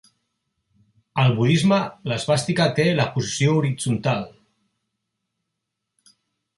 Al budisme l'esvàstica té la posició horitzontal.